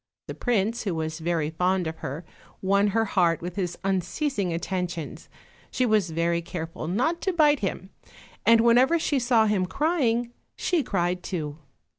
The prince, who was very fond of her, won her heart with his unceasing attentions; she was very careful not to bite him, and whenever she saw him crying she cried too.